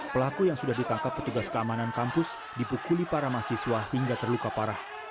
pelaku yang sudah ditangkap petugas keamanan kampus dipukuli para mahasiswa hingga terluka parah